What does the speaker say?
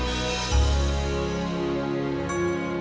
sampai jumpa lagi